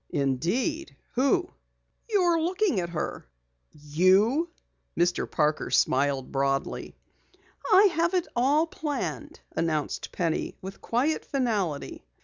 "Indeed? Who?" "You're looking at her." "You!" Mr. Parker smiled broadly. "I have it all planned," announced Penny with quiet finality.